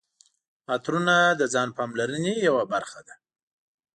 عطرونه د ځان پاملرنې یوه برخه ده.